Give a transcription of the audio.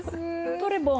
トレボン！